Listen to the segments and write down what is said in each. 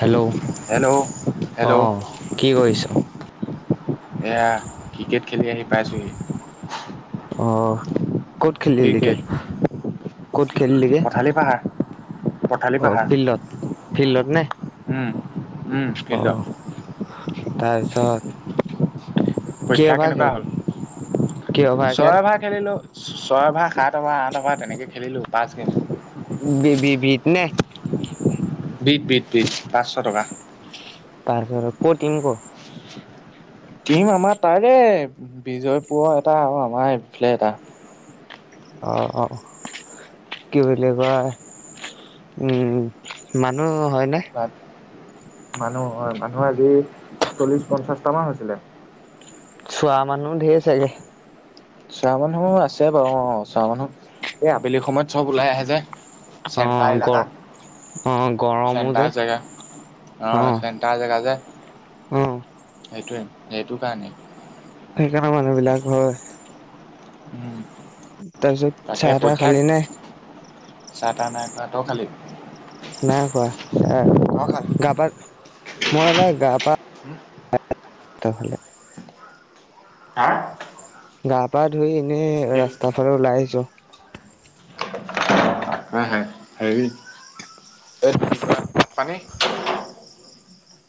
Hello অ hello hello. কি কৰিছ? এয়া ক্ৰিকেট খেলি আহি পাইছোঁহি। অহ', ক'ত খেলিলিগে, ক্ৰিকেট ক'ত খেলিলিগে। খালি পাহাৰ। পথালি অ পাহাৰ ফিল্ডত ফিল্ডত নে। উম উম অ ফিল্ডত। তাৰপিছত। কি পৰীক্ষা অভাৰ কেনেকুৱা খেল কি হ'ল অভাৰ খেল ছয় ভাগ। খেলিলোঁ ছয় অভাৰ সাত। অভাৰ আঠ অভাৰ তেনেকৈ খেলিলোঁ পাঁচ গেম বি বি ভিত নে। বিট বিট বিট পাঁচশ টকা। পাঁচশ টকা ক টিম ক। টীম আমাৰ তাৰে দে বিজয়পুৰৰ এটা আৰু আমাৰ এইফালে এটা। অ অ। কি বুলি কয় উম মানুহ হয় ন। তাত মানুহ হয় মানুহ আজি চল্লিছ পঞ্চাছটামান হৈছিলে। চোৱা মানুহো ঢেৰ চাগে। চোৱা মানুহো আছে বাৰু অ, চোৱা মানুহ এই আবেলি সময়ত চব ওলাই আহে যে। অ চেণ্টাৰ ইলাকা, গৰ অ গৰমো যে চেণ্টাৰ জেগা, অ চেন টাৰ জেগা যে অ সেইটোৱে সেইটো কাৰণে। সেইকাৰণে মানুহবিলাক হয়। [inaudible] তাৰপিছত তাকে চাহ - তাহ পৰীক্ষাক খালি নে? চাহ - তাহ নাই খোৱা, তই খালি? নাই খোৱা, এ মই খালো। গা পা, মই এই গা পা ত' হলে হা? গা পা ধুই এনেই কি? ৰাস্তাৰ ফালে ওলাই আহিছো। হা হা হেৰি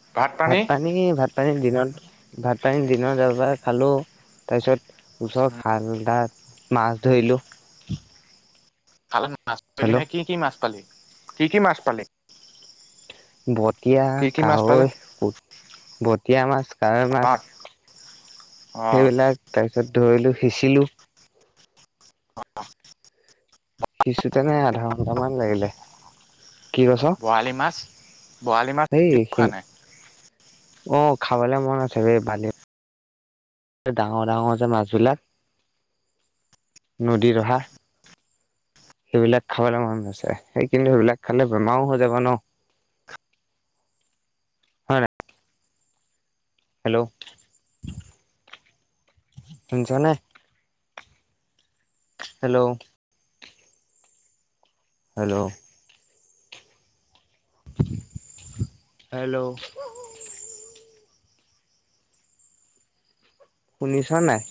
[unintelligible] ভাত - পানী, ভাত পানী দিনত, ভাত পানী দিনত এবাৰ খালো। তাৰপিছত ওচৰত খালডাত মাছ ধৰিলোঁ। খালত মাছ হেল্ল' [unintelligible] কি কি মাছ পালি? কি কি মাছ পালি? বটিয়া, কি কি মাছ পালে? কাৱৈ, ব বটীয়া মাছ, কাৱৈ মাছ অ' অ' সেইবিলাক তাৰ পিছত ধৰিলো সিঁচিলো। অ অ। সিঁচোতেনে আধা ঘণ্টামান লাগিলে। কি কৈছ? বৰালি মাছ বৰালি মাছ সেই সি খোৱা নাই। অ খাবলে মন আছে বেই ভালি এ ডাঙৰ- ডাঙৰ যে মাছবিলাক নদীত অহা। সেইবিলাক খাবলৈ মন আছে সেই কিন্তু সেইবিলাক খালে বেমাৰো হৈ যাব ন। হয় নাই হেল্ল'? শুনিছনে? হেল্ল'? হেল্ল'? হেল্ল'? শুনিছা নাই?